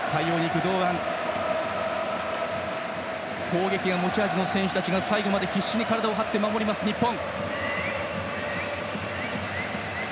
攻撃が持ち味の選手たちが最後まで必死に体を張って守ります日本。